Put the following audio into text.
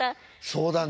そうだね。